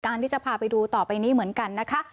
ที่จะพาไปดูต่อไปนี้เหมือนกันนะคะ